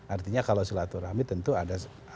artinya kalau silaturahmi tentu ada